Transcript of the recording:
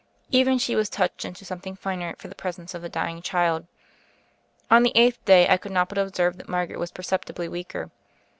Even she was touched into something finer for the pres ence of the dying child. On the eighth day I could not but observe that Margaret was perceptibly weaker.